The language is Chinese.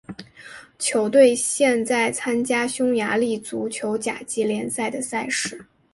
球队现在参加匈牙利足球甲级联赛的赛事。